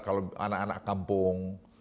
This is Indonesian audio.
kalau anak anak kampung